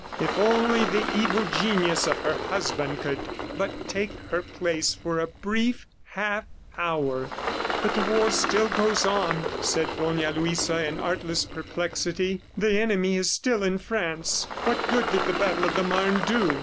If only the evil genius of her husband could but take her place for a brief half hour! ... "But the war still goes on," said Dona Luisa in artless perplexity. "The enemy is still in France. ... What good did the battle of the Marne do?"